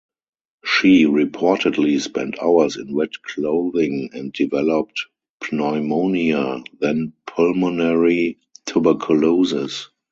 She reportedly spent hours in wet clothing and developed pneumonia, then pulmonary tuberculosis.